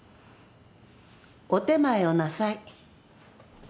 ・お点前をなさい。